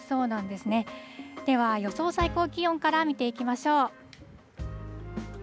では予想最高気温から見ていきましょう。